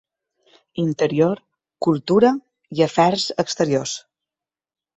Interior, Cultura i Afers Exteriors.